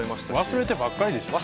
忘れてばっかりでしょ？